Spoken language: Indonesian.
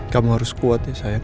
kamu harus kuat ya sayang